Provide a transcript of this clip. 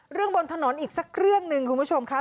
บนถนนอีกสักเรื่องหนึ่งคุณผู้ชมค่ะ